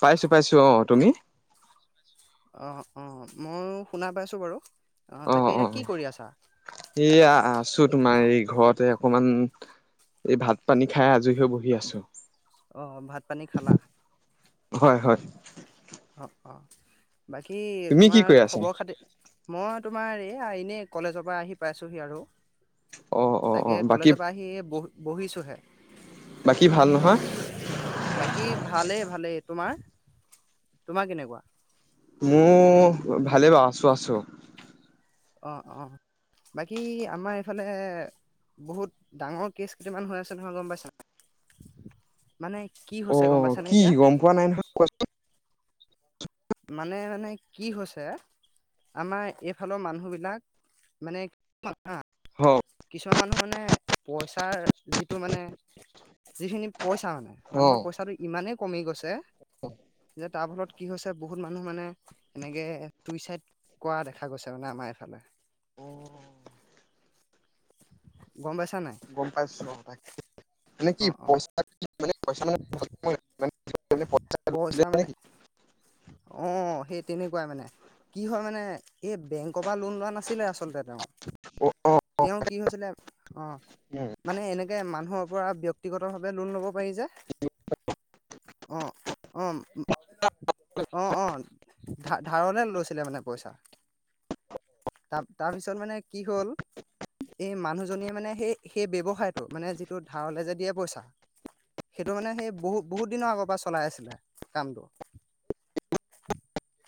পাইছো পাইছো অঁ, তুমি? অঁ, অঁ, মইও শুনা পাইছো বাৰু অঁ, অ তাকে অ এতিয়া কি কৰি আছা? এইয়া আছো তোমাৰ এই ঘৰতে অকমান এই ভাত- পানী খাই আজৰি হৈ বহি আছো, অ', ভাত পানী খালা? হয়, হয়। অঁ, অঁ, বাকী তুমি কি তোমাৰ কৰি আছা খবৰ খাতি- মই তোমাৰ এই আ এনেই কলেজৰ পৰা আহি পাইছোহি আৰু। অ অ অ তাকে বাকী কলেজৰ পৰা আহি বহি বহিছোহে। বাকী ভাল নহয় হয়, বাকী ভালেই ভালেই, তোমাৰ? তোমাৰ কেনেকুৱা? মোৰ ভালেই বাৰু, আছো, আছো। অঁ, অঁ, বাকী আমাৰ এইফালে- বহুত ডাঙৰ কেছ কেইটামান হৈ আছে নহয় গম পাইছা নাই? মানে কি অ হৈছে গম পাইছানে কি এতিয়া- গম পোৱা নাই নহয়, কোৱাচোন? মানে মানে কি হৈছে আমাৰ এইফালৰ মানুহবিলাক মানে [unintelligible] [unintelligible] কিছুমান মানুহ মানে পইচাৰ যিটো মানে যিখিনি পইচা মানে মানুহৰ পইচাটো ইমানেই কমি গৈছে অঁ। যে তাৰ ফলত কি হৈছে বহুত মানুহ মানে এনেকে চুইচাইদ কৰা দেখা গৈছে মানে আমাৰ এইফালে। অঁ। গম পাইছা নাই? গম পাইছো [unintelligible] মানে কি অ অ পইচা মানে পইচা মানে [unintelligible] পইচা মানে অঁ' সেই তেনেকুৱাই মানে। কি হয় মানে এই বেংকৰ পৰা লোন লোৱা নাছিলে আচলতে তেওঁ। অ অ তেওঁ কি হৈছিলে অঁ' উম মানে এনেকে মানুহক পৰা ব্যক্তিগতভাবে লোন ল'ব পাৰি যে। অঁ' অঁ। অঁ' অঁ' ধা-ধাৰলে লৈছিলে মানে পইচা। তাৰ তাৰ পিছত মানে কি হ'ল এই মানুহজনীয়ে মানে সেই সেই ব্যৱসায়টো মানে যিটো ধাৰলে যে দিয়ে পইচা। সেইটো মানে সেই বহু বহুত দিনৰ আগৰ পৰা চলাই আছিলে কামটো। [unintelligible]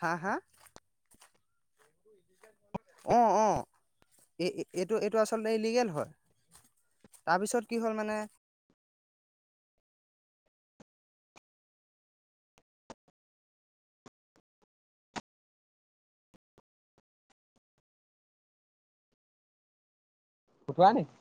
হা হা? [unintelligible] অঁ' অঁ' এই এইটো এইটো আচলতে ইলিগেল হয়। তাৰপিছত কি হ'ল মানে ফুটোৱা [unintelligible]